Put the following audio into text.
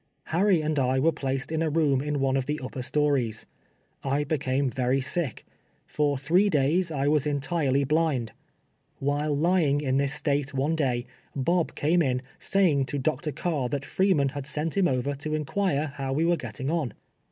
Har ry and I were placed in a room in one of the upper stories. I became very sick. For three days I was entirely blind. "While lying in this state one day, Bob came in, saying to Dr. Carr that Freeman had sent him over to inquire liow we were getting on.